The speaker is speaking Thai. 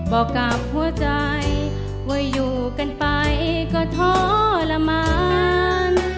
บอกกับหัวใจว่าอยู่กันไปก็ทรมาน